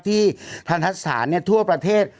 ที่ทหารทัศน์เนี่ยทั่วประเทศ